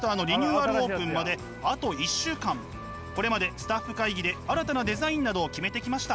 これまでスタッフ会議で新たなデザインなどを決めてきました。